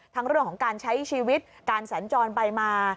เรื่องของการใช้ชีวิตการสัญจรไปมา